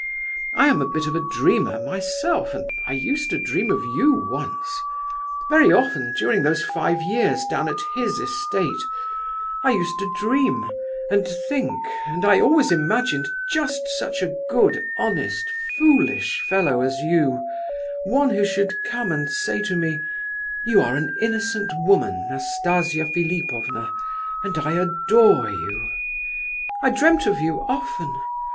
I am a bit of a dreamer myself, and I used to dream of you once. Very often during those five years down at his estate I used to dream and think, and I always imagined just such a good, honest, foolish fellow as you, one who should come and say to me: 'You are an innocent woman, Nastasia Philipovna, and I adore you.' I dreamt of you often.